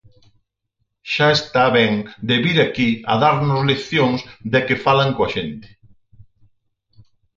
Xa está ben de vir aquí a darnos leccións de que falan coa xente.